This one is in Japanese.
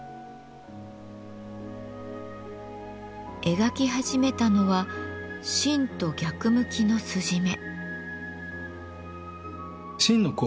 描き始めたのは「真」と逆向きの筋目。